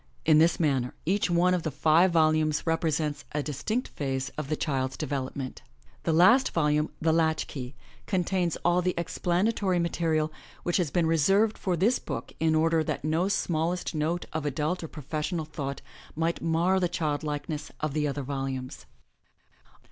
In this manner each one of the five volumes represents a distinct phase of the child's development. The last volume. The Latch Key, 216 THE LATCH KEY contains all the explanatory material which has been reserved for this book in order that no smallest note of adult or professional thought might mar the childlikeness of the other volumes.